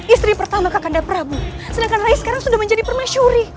istri pertama kanda prabu sedangkan rai sekarang sudah menjadi permaisuri